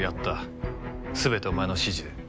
全てお前の指示で。